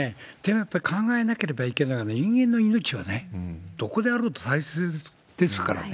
やっぱり考えなければいけないのは、人間の命はね、どこであろうと大切ですからね。